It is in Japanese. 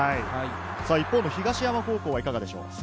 一方の東山高校はいかがでしょう？